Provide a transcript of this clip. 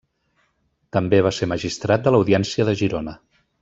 També va ser magistrat de l'Audiència de Girona.